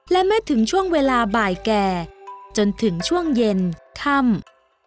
และเมื่อถึงช่วงเวลาบ่ายแก่จนถึงช่วงเย็นค่ำ